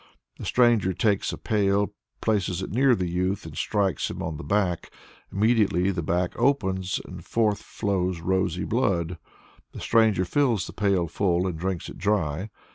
"The stranger takes a pail, places it near the youth, and strikes him on the back; immediately the back opens, and forth flows rosy blood. The stranger fills the pail full, and drinks it dry.